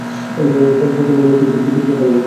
বলতে পারলে ভালো হত।